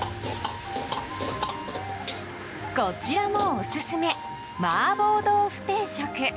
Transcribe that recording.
こちらもオススメ麻婆豆腐定食。